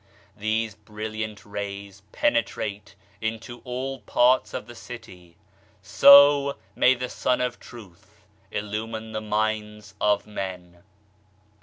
These brilliant rays penetrate into all parts of the city ; so may the Sun of Truth illumine the minds of men.